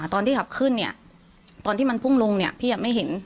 ตอนที่ขับขึ้นเนี่ยตอนที่มันพุ่งลงเนี่ยพี่ไม่เห็น